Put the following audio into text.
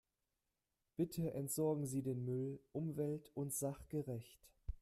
Bitte entsorgen Sie den Müll umwelt- und sachgerecht.